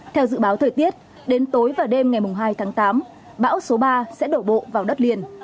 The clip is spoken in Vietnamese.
theo dự báo thời tiết đến tối và đêm ngày hai tháng tám bão số ba sẽ đổ bộ vào đất liền